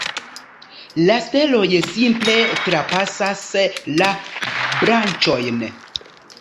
La steloj simple trapasas la branĉojn.